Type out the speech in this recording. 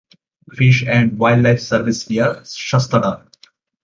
Fish and Wildlife Service near Shasta Dam.